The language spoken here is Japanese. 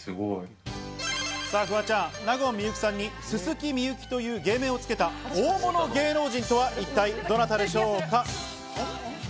フワちゃん、納言・幸さんに薄幸という芸名をつけた大物芸能人とは一体どなたでしょうか？